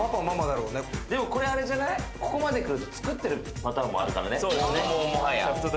ここまでいったら作ってるパターンもあるからね。